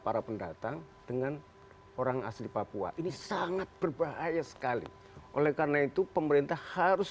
para pendatang dengan orang asli papua ini sangat berbahaya sekali oleh karena itu pemerintah harus